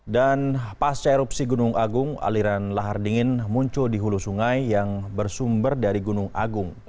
dan pas cerupsi gunung agung aliran lahar dingin muncul di hulu sungai yang bersumber dari gunung agung